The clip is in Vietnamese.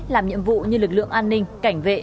làm nhiệm vụ như lực lượng an ninh cảnh vệ